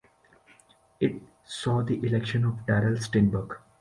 It saw the election of Darrell Steinberg.